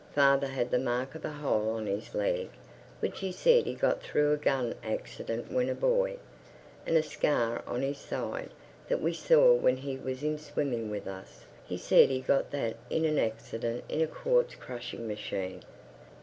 Father had the mark of a hole on his leg, which he said he got through a gun accident when a boy, and a scar on his side, that we saw when he was in swimming with us; he said he got that in an accident in a quartz crushing machine.